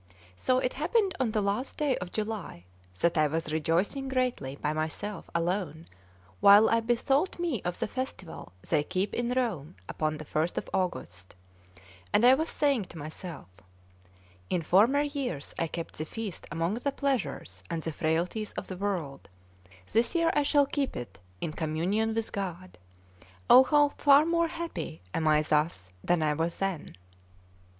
So it happened on the last day of July that I was rejoicing greatly by myself alone while I bethought me of the festival they keep in Rome upon the 1st of August; and I was saying to myself: "In former years I kept the feast among the pleasures and the frailties of the world; this year I shall keep it in communion with God. Oh, how far more happy am I thus than I was then!"